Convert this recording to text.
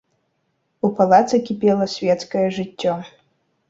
У палацы кіпела свецкае жыццё.